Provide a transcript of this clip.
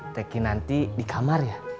teki nanti di kamar ya